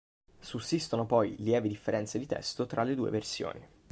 Sussistono poi lievi differenze di testo tra le due versioni.